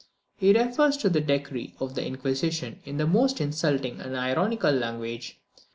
He refers to the decree of the Inquisition in the most insulting and ironical language.